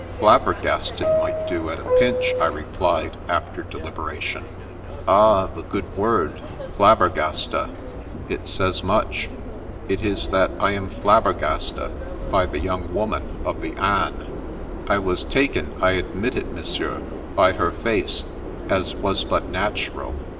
" Flabbergasted might do, at a pinch," I replied, after deliberation. The Brat 107 "Ah, the good word, * flabbergasta M It says much. It is that I am flabbergasta by the young woman of the anes, I was taken, I admit it, Mon sieur, by her face, as was but natural.